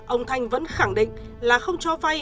ông thanh vẫn khẳng định là không cho vay